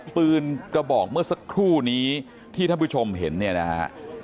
ปืนกระบอกเมื่อสักครู่นี้ที่ท่านผู้ชมเห็นเนี่ยนะฮะ